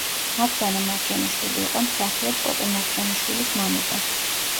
მაგდანა მარჯანიშვილი იყო მსახიობ კოტე მარჯანიშვილის მამიდა.